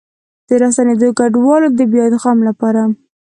د راستنېدونکو کډوالو د بيا ادغام لپاره